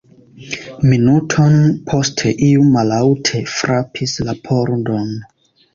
Minuton poste iu mallaŭte frapis la pordon.